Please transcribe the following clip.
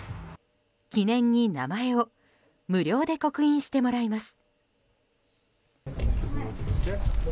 記念に、名前を無料で刻印してもらいます。